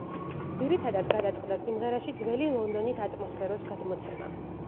ძირითადად, გადაწყდა სიმღერაში ძველი ლონდონის ატმოსფეროს გადმოცემა.